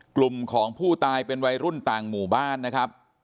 กลุ่มของผู้ตายเป็นวัยรุ่นต่างหมู่บ้านนะครับ